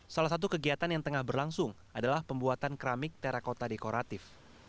salah satu kegiatan yang tengah berlangsung adalah pembuatan keramik terakota dekoratif